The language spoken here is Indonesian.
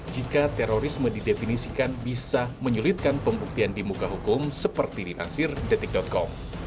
jika terorisme didefinisikan bisa menyulitkan pembuktian di muka hukum seperti dilansir detik com